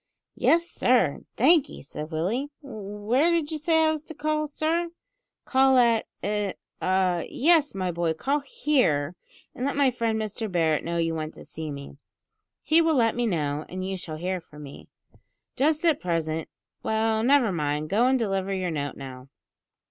"Yes, sir, and thankee," said Willie; "where did you say I was to call, sir?" "Call at eh ah yes, my boy, call here, and let my friend Mr Barret know you want to see me. He will let me know, and you shall hear from me. Just at present well, never mind, go and deliver your note now.